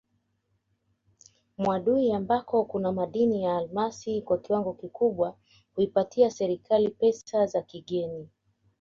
Mwadui ambako kuna madini ya almasi kwa kiwango kikubwa huipatia serikali pesa za kigeni